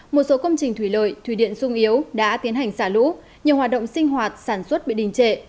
một số công trình thủy lợi thủy điện sung yếu đã tiến hành xả lũ nhiều hoạt động sinh hoạt sản xuất bị đình trệ